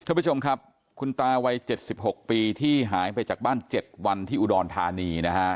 ทุกผู้ชมครับคุณตาวัยเจ็ดสิบหกปีที่หายไปจากบ้านเจ็ดวันที่อุดรธานีนะฮะ